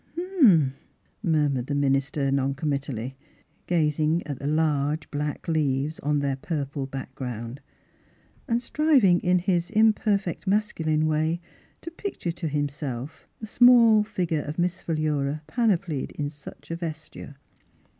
" Hum m," murmured the minister non committally, gazing at the large black leaves on their purple background, and striving in his imperfect masculine way to picture to himself the small figure of Miss Philura panoplied in such a vesture.